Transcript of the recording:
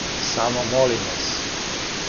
Само молим вас?